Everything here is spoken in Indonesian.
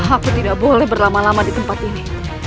aku tidak boleh berlama lama di tempat ini